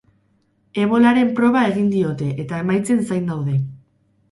Ebolaren proba egin diote eta emaitzen zain daude.